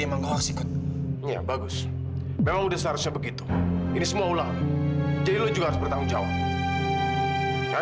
makasih ya kamu udah bantuin aku untuk ngejagain kava